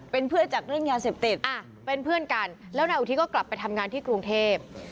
เป็นเพื่อนจากเรื่องยาเสพติดเป็นเพื่อนกันแล้วนายอุทิศก็กลับไปทำงานที่กรุงเทพ